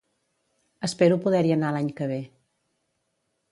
Espero poder-hi anar l'any que ve